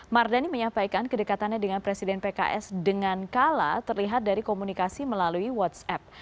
mardani menyampaikan kedekatannya dengan presiden pks dengan kala terlihat dari komunikasi melalui whatsapp